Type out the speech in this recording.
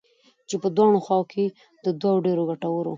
چې په دواړو خواوو كې د دوو ډېرو گټورو